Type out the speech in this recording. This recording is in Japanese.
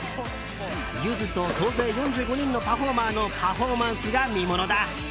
ゆずと総勢４５人のパフォーマーのパフォーマンスが見ものだ。